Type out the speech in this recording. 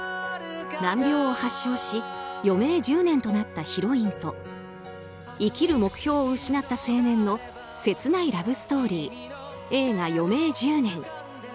難病を発症し余命１０年となったヒロインと生きる目標を失った青年の切ないラブストーリー映画「余命１０年」。